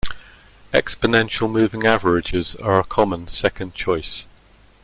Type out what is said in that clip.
Exponential moving averages are a common second choice.